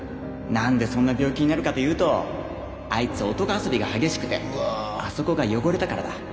何でそんな病気になるかというとあいつ男遊びが激しくてあそこが汚れたからだ。